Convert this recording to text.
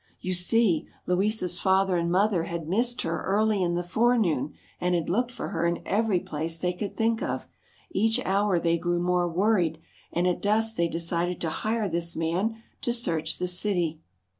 You see, Louisa's father and mother had missed her early in the forenoon and had looked for her in every place they could think of. Each hour they grew more worried, and at dusk they decided to hire this man to search the city.